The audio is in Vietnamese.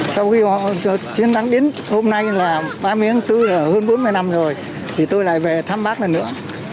sau khi đến hôm nay là ba miếng tư là hơn bốn mươi năm rồi thì tôi lại về tâm bác lần nữa